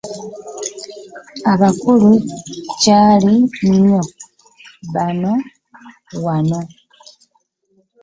Abakulu nkyali nnyo nabo wano.